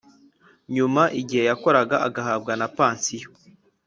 nyuma igihe yakoraga agahabwa na pansiyo